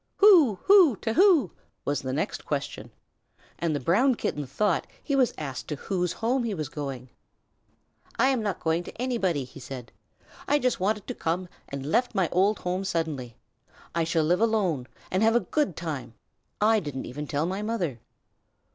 "Who? Who? To who?" was the next question, and the Brown Kitten thought he was asked to whose home he was going. "I am not going to anybody," he said. "I just wanted to come, and left my old home suddenly. I shall live alone and have a good time. I didn't even tell my mother."